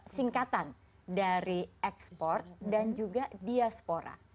singkatan dari ekspor dan juga diaspora